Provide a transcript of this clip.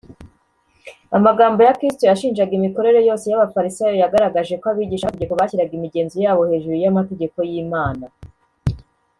” amagambo ya kristo yashinjaga imikorere yose y’abafarisayo yagaragaje ko abigishamategeko bashyiraga imigenzo yabo hejuru y’amategeko y’imana